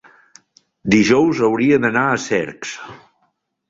dijous hauria d'anar a Cercs.